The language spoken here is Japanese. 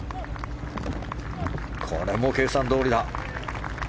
これも計算どおりだ。